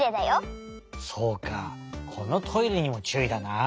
そうかこのトイレにもちゅういだな。